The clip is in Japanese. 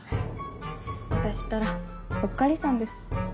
私ったらうっかりさんです。